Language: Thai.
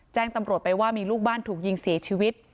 แจ้งตำรวจไปว่ามีลูกบ้านถูกยิงเสียชีวิต